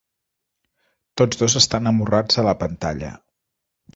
Tots dos estan amorrats a la pantalla.